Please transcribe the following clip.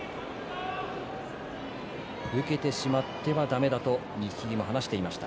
受けてしまってはだめだと錦木も話していました。